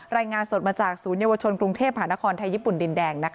รายงานสดมาจากศูนยวชนกรุงเทพหานครไทยญี่ปุ่นดินแดง